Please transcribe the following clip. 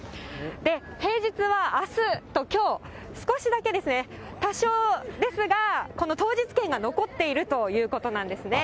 平日はあすときょう、少しだけ、多少ですが、当日券が残っているということなんですね。